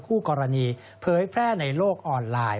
คู่กรณีเผยแพร่ในโลกออนไลน์